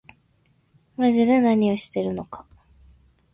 まぢで何してるのか